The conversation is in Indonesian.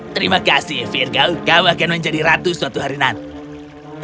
terima kasih virgo kau akan menjadi ratu suatu hari nanti